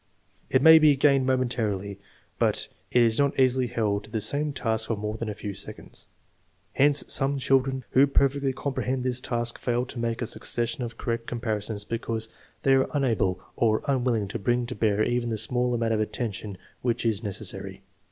It may be gained momentarily, but it is not easily held to the same task for more than a few seconds. Hence some children who per fectly comprehend this task fail to make a succession of correct comparisons because they are unable or unwilling to bring to bear even the small amount of attention which is necessary.